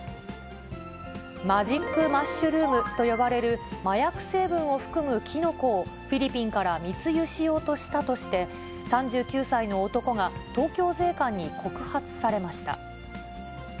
マジックマッシュルームと呼ばれる、麻薬成分を含むキノコをフィリピンから密輸しようとしたとして、３９歳の男が東京税関に告発されました。